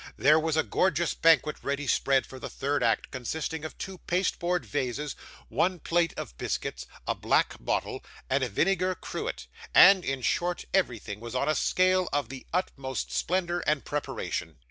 There was a gorgeous banquet ready spread for the third act, consisting of two pasteboard vases, one plate of biscuits, a black bottle, and a vinegar cruet; and, in short, everything was on a scale of the utmost splendour and preparation.